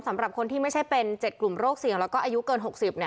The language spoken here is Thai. สำหรับคนที่ไม่ใช่เป็น๗กลุ่มโรคเสี่ยงแล้วก็อายุเกิน๖๐